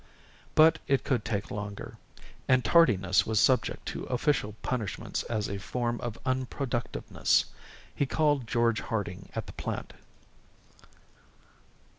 But it could take longer. And tardiness was subject to official punishments as a form of unproductiveness. He called George Harding at the plant.